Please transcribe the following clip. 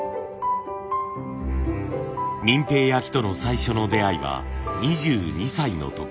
平焼との最初の出会いは２２歳の時。